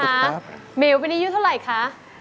ไมลูแล้วเป็นนี้ยืนเท่าไหร่คะ